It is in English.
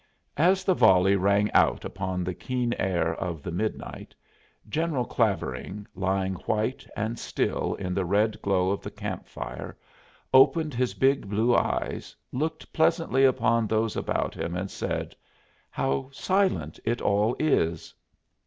As the volley rang out upon the keen air of the midnight, General Clavering, lying white and still in the red glow of the camp fire, opened his big blue eyes, looked pleasantly upon those about him and said: "How silent it all is!"